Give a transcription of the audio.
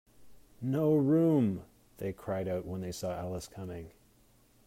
No room!’ they cried out when they saw Alice coming.